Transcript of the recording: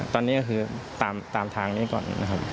ตอนนี้ก็คือตามทางนี้ก่อนนะครับ